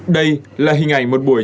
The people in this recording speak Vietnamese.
đây là hình ảnh một buổi